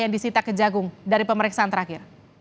yang disita ke jagung dari pemeriksaan terakhir